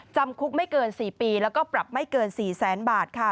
จำคุกไม่เกิน๔ปีแล้วก็ปรับไม่เกิน๔แสนบาทค่ะ